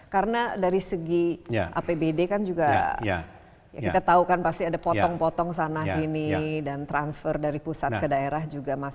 karena dari segi apbd kan juga kita tahu kan pasti ada potong potong sana sini dan transfer dari pusat ke daerah juga masih masalah